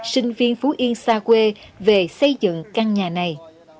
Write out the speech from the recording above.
sinh viên phú yên xa quê về xây dựng căn nhà này